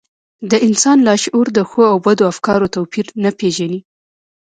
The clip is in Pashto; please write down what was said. د انسان لاشعور د ښو او بدو افکارو توپير نه پېژني.